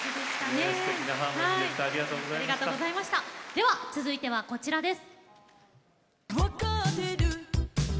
では続いてはこちらです。